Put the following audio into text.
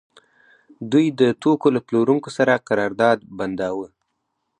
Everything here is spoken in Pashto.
دوی د توکو له پلورونکو سره قرارداد بنداوه